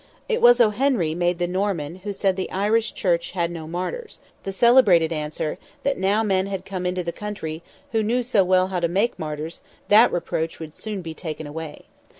It was O'Heney made the Norman who said the Irish Church had no martyrs, the celebrated answer, that now men had come into the country who knew so well how to make martyrs, that reproach would soon be taken away.